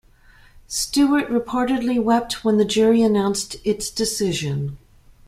Stewart reportedly wept when the jury announced its decision.